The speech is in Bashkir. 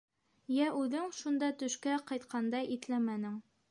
Йә үҙең шунда төшкә ҡайтҡанда иҫләмәнең.